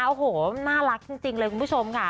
โอ้โหน่ารักจริงเลยคุณผู้ชมค่ะ